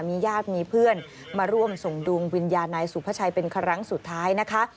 มีญาติมีเพื่อนมาร่วมส่งดวงวิญญาณนายสุภาชัยเป็นครั้งสุดท้ายนะคะ